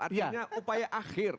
artinya upaya akhir